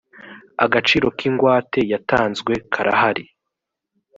agaciro k ingwate yatanzwe karahari